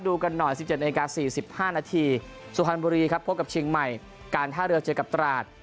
ดูกันหน่อย๑๗นาที๔๕นาทีสุพรรณบุรีครับพบกับเชียงใหม่การท่าเรือเจอกับตราด